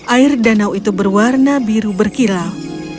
air danau itu berwarna biru berkilau